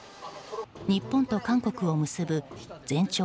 日本と韓国を結ぶ全長